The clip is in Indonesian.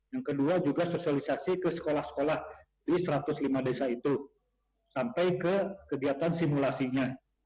yang kedua juga sosialisasi ke sekolah sekolah di satu ratus lima desa itu sampai ke kegiatan simulasinya